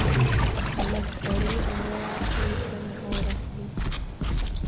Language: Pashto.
لږ سړې اوبه راکړئ؛ زړه مې اور اخلي.